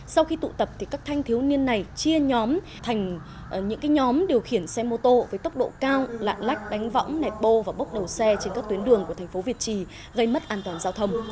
sau khi tụ tập các thanh thiếu niên này chia nhóm thành những nhóm điều khiển xe mô tô với tốc độ cao lạng lách đánh võng nẹt bô và bốc đầu xe trên các tuyến đường của thành phố việt trì gây mất an toàn giao thông